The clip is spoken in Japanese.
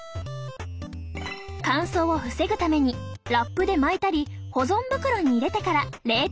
乾燥を防ぐためにラップで巻いたり保存袋に入れてから冷凍庫へ。